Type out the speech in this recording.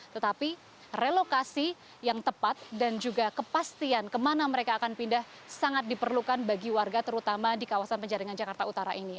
tetapi relokasi yang tepat dan juga kepastian kemana mereka akan pindah sangat diperlukan bagi warga terutama di kawasan penjaringan jakarta utara ini